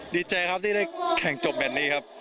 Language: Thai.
ดีใจครับที่ได้แข่งจบแบบนี้ครับ